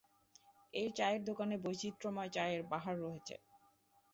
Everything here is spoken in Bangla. এই চায়ের দোকানে বৈচিত্র্যময় চায়ের বাহার রয়েছে।